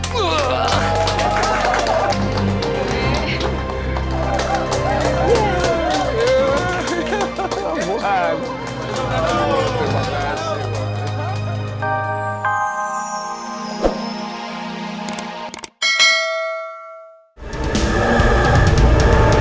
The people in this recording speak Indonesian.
kau memang pemuda yang hebat